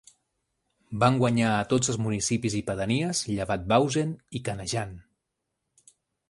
Van guanyar a tots els municipis i pedanies llevat Bausen i Canejan.